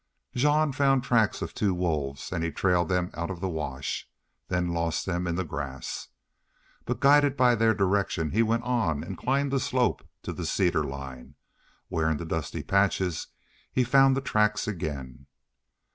Jean found tracks of two wolves, and he trailed them out of the wash, then lost them in the grass. But, guided by their direction, he went on and climbed a slope to the cedar line, where in the dusty patches he found the tracks again.